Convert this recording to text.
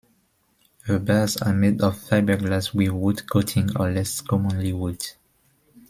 The bars are made of fiberglass with wood coating, or less commonly wood.